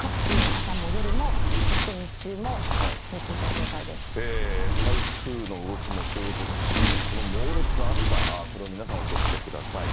朝も夜も、台風の動きもそうですし、この猛烈な暑さ、これを皆さんお気をつけください。